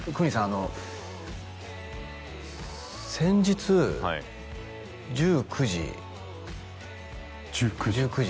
あの先日１９時１９時？